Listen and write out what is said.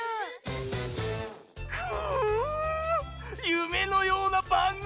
ゆめのようなばんぐみ！